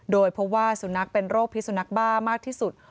โดยพบว่าสุนัขเป็นโรคพิสุนักบ้ามากที่สุด